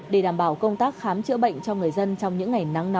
để đảm bảo công tác khám chữa bệnh cho người dân